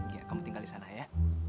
ya kamu tinggal di sana ya